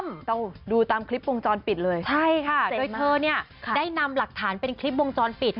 ต้องดูตามคลิปวงจรปิดเลยใช่ค่ะโดยเธอเนี้ยได้นำหลักฐานเป็นคลิปวงจรปิด